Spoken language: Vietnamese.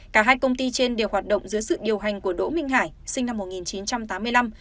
cả hai công ty trên đều hoạt động dưới sự điều hành của đỗ minh hải sinh năm một nghìn chín trăm tám mươi năm